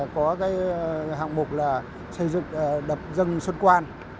có cái hạng mục là xây dựng đập dân xuân quan